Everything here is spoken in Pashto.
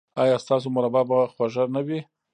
ایا ستاسو مربا به خوږه نه وي؟